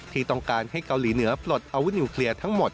ที่ต้องการให้เกาหลีเหนือปลดอาวุธนิวเคลียร์ทั้งหมด